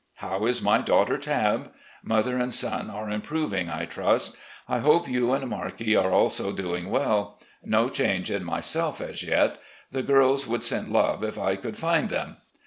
How is my daughter Tabb ? Mother and son are improving, I trust. I hope you and Markie are also doing well. No change in myself as yet. The girls would send love if I could find them.